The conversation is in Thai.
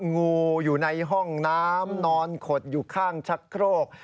งูอยู่ในห้องน้ำนอนขดอยู่ข้างชักโครก